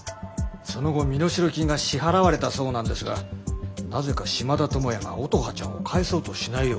その後身代金が支払われたそうなんですがなぜか島田友也が乙葉ちゃんを返そうとしないようで。